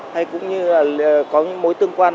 hay cũng như là có mối tương quan